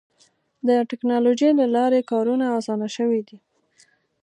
د ټکنالوجۍ له لارې کارونه اسانه شوي دي.